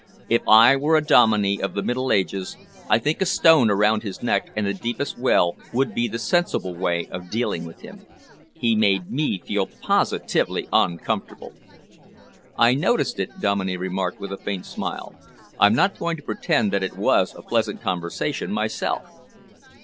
If I were a Dominey of the Middle Ages, I think a stone around his neck and the deepest well would be the sensible way of dealing with him. He made me feel positively uncomfortable." "I noticed it," Dominey remarked, with a faint smile. "I'm not going to pretend that it was a pleasant conversation myself."